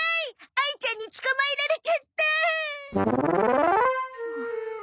あいちゃんに捕まえられちゃった。